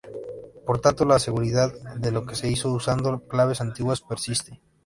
Por tanto la seguridad de lo que se hizo usando claves antiguas persiste.